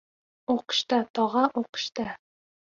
— O‘qishda, tog‘a, o‘qishda.